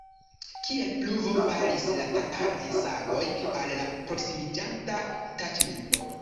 Kiel pluvo falis la tataraj sagoj al la proksimiĝanta taĉmento.